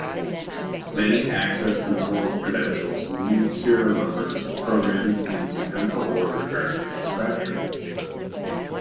Many access control credentials unique serial numbers are programmed in sequential order during manufacturing.